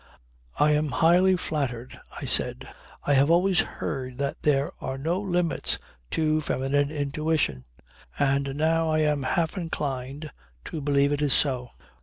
"I am highly flattered," I said. "I have always heard that there are no limits to feminine intuition; and now I am half inclined to believe it is so.